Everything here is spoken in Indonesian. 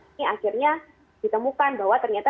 ini akhirnya ditemukan bahwa ternyata